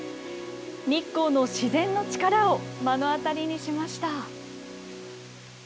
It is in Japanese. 日光の自然の力を目の当たりにしました。